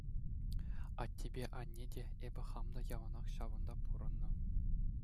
Аттепе анне те, эпӗ хам та яланах ҫавӑнта пурӑннӑ...